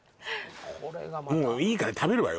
これがまたもういいから食べるわよ